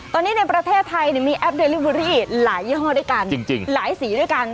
ตอนนี้ในประเทศไทยมีแอปเดลิเวอรี่หลายยี่ห้อด้วยกันจริงหลายสีด้วยกัน